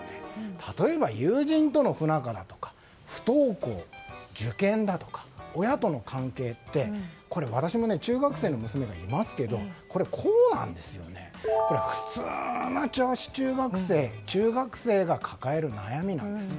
例えば、友人との不仲だとか不登校、受験だとか親との関係ってこれ、私も中学生の娘がいますけどこれ、普通の女子中学生。中学生が抱える悩みなんです。